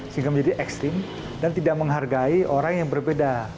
sehingga menjadi ekstrim dan tidak menghargai orang yang berbeda